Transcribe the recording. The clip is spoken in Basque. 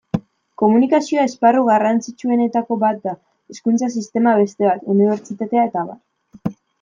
Komunikazioa esparru garrantzitsuetako bat da, hezkuntza sistema beste bat, unibertsitatea...